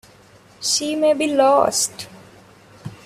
She may be lost.